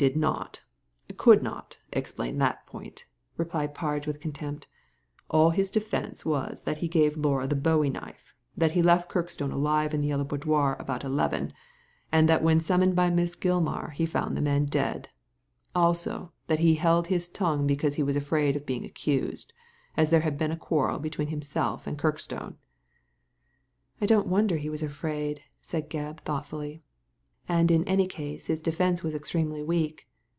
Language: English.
did not^ould not — explain that point," replied Parge, with contempt; "all his defence was that he gave Laura the bowie knife, that he left Kirkstone alive in the Yellow Boudoir about eleven, Digitized by Google COMMENTS ON THE CRIME ^\ and that when summoned by Miss Gilmar he found the man dead. Also, that he held his tongue because he was afraid of being accused, as there had been a quarrel between himself and Kirkstone." ! don't wonder he was afraid," said Gebb, thoughtfully; *'and in any case his defence was extremely weak.